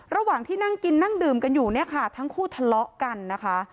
ระหว่างที่นั่งกินนั่งดื่มกันอยู่เนี่ยค่ะทั้งคู่ทะเลาะกันนะคะ